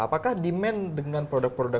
apakah krucuma kruang yang kut